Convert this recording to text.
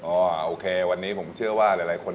โอเควันนี้ผมเชื่อว่าหลายคน